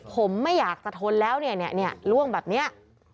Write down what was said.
ผมไม่อยากจะทนแล้วเนี่ยเนี่ยเนี่ยร่วงแบบเนี้ย